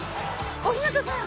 小日向さん